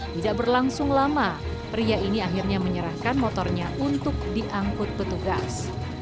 tidak berlangsung lama pria ini akhirnya menyerahkan motornya untuk diangkut petugas